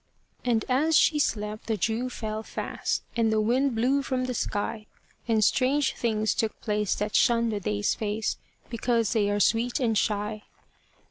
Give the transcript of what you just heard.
And as she slept the dew fell fast, And the wind blew from the sky; And strange things took place that shun the day's face, Because they are sweet and shy.